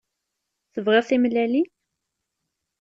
Tebɣiḍ timellalin?